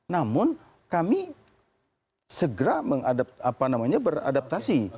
namun kami segera beradaptasi